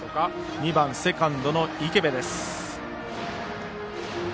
２番、セカンドの池邉です。